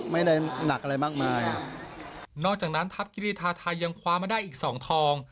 ไม่ได้หนักอะไรมากมายนอกจากนั้นทัพกิรีธาไทยยังคว้ามาได้อีกสองทอง